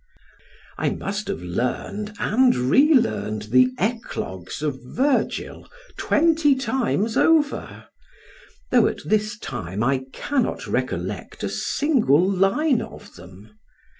I must have learned and relearned the Eclogues of Virgil twenty times over, though at this time I cannot recollect a single line of them.